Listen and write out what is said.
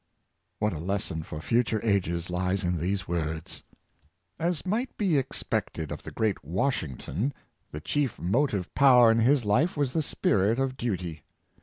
What a lesson for future ages lies in these words! As might be expected of the great Washington, the chief motive power in his life was the spirit of duty.